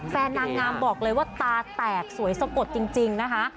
นางงามบอกเลยว่าตาแตกสวยสะกดจริงนะคะ